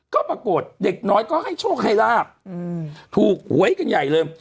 ก็ปรากฏเด็กน้อยก็ให้โชคให้ลาบถูกหวยกันใหญ่เลย